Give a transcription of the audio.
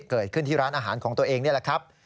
เกิดขึ้นที่ร้านอาหารของตัวเองนี่แหละครับ